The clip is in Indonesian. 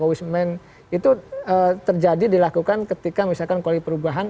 wisman itu terjadi dilakukan ketika misalkan koalisi perubahan